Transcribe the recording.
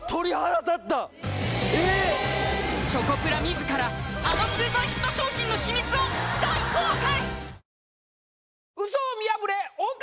続いてはあのスーパーヒット商品の秘密を大公開！